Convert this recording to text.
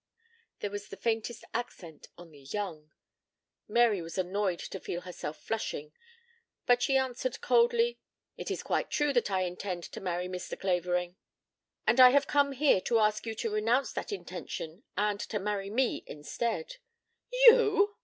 There was the faintest accent on the young. Mary was annoyed to feel herself flushing, but she answered coldly, "It is quite true that I intend to marry Mr. Clavering." "And I have come here to ask you to renounce that intention and to marry me instead." "You!"